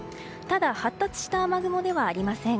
ただ、発達した雨雲ではありません。